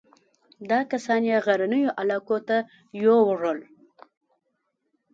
دا کسان یې غرنیو علاقو ته یووړل.